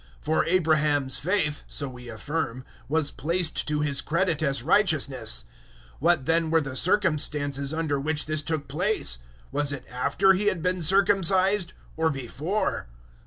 For Abraham's faith so we affirm was placed to his credit as righteousness. 004:010 What then were the circumstances under which this took place? Was it after he had been circumcised, or before?